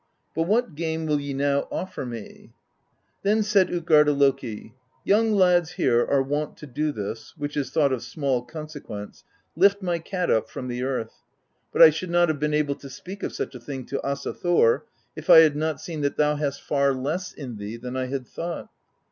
But what game will ye now offer me?' Then said Utgarda Loki :^ Young lads here are wont to do this (which is thought of small consequence): lift my cat up from the earth; but I should not have been able to speak of such a thing to Asa Thor if I had not seen that thou hast far less in thee than I had thought.'